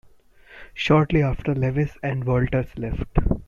Shortly after, Lewis and Walters left.